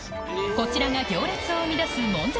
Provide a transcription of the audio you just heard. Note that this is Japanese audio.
こちらが行列を生み出すもん絶